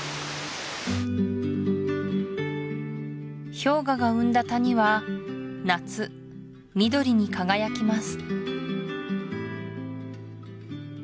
氷河が生んだ谷は夏緑に輝きます